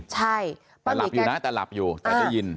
ใช่แต่หลับอยู่นะแต่หลับอยู่แต่ได้ยิน